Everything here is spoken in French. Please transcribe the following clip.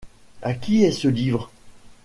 À qui est ce livre ?